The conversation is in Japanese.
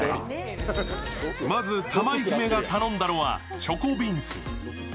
まず、玉井姫が頼んだのはチョコビンス。